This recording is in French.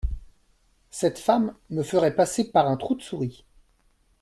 Cette femme me ferait passer par un trou de souris.